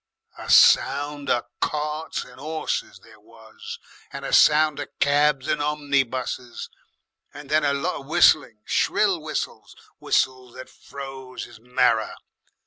"A sound of carts and 'orses there was, and a sound of cabs and omnibuses, and then a lot of whistling, shrill whistles, whistles that froze 'is marrer.